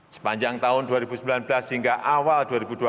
sepanjang tahun dua ribu sembilan belas hingga awal dua ribu dua puluh